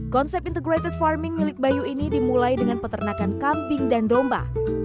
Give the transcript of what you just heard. konsep integrated farming milik bayu ini dimulai dengan peternakan kambing dan domba